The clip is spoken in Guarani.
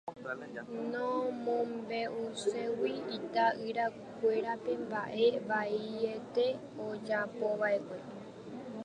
nomombe'uségui ita'yrakuérape mba'e vaiete ojapova'ekue